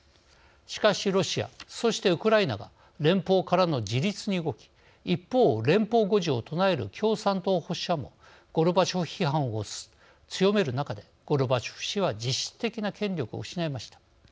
しかし、ロシアそしてウクライナが連邦からの自立に動き一方、連邦護持を唱える共産党保守派もゴルバチョフ批判を強める中でゴルバチョフ氏は実質的な権力を失いました。